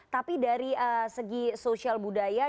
tapi dari segi sosial budaya